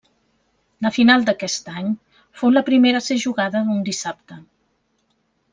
La final d'aquest any fou la primera a ser jugada un dissabte.